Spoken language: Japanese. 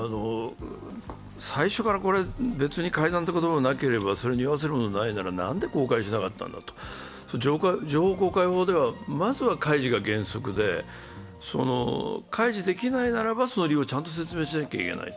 最初から別に改ざんということがないならば、におわせるものが何もないのならば何で公開しなかったんだと、情報公開法ではまずは開示が原則で、開示できないならばその理由をちゃんと説明しなきゃいけないと。